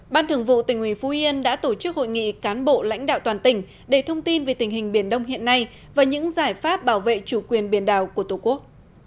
ban thường vụ tỉnh ủy phú yên đã tổ chức hội nghị cán bộ lãnh đạo toàn tỉnh để thông tin về tình hình biển đông hiện nay và những giải pháp bảo vệ chủ quyền biển đảo của tổ quốc